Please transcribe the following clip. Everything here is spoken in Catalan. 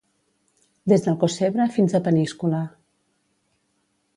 Des d'Alcossebre fins a Peníscola.